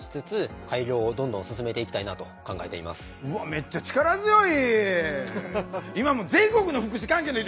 めっちゃ力強い。